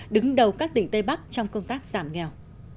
đứng đầu các tỉnh tây bắc trong công tác giảm nghèo